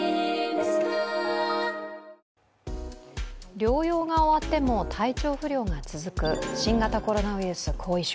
療養が終わっても体調不良が続く新型コロナウイルス後遺症。